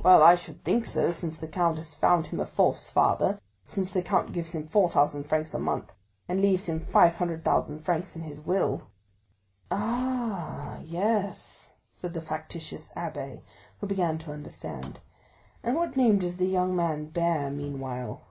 "Well, I should think so, since the count has found him a false father—since the count gives him four thousand francs a month, and leaves him 500,000 francs in his will." "Ah, yes," said the factitious abbé, who began to understand; "and what name does the young man bear meanwhile?"